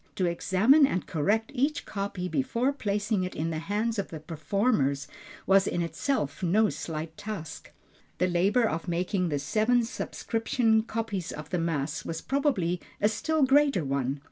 To examine and correct each copy before placing it in the hands of the performers was in itself no slight task. The labor of making the seven subscription copies of the Mass, was probably a still greater one.